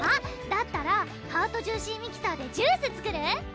だったらハートジューシーミキサーでジュース作る？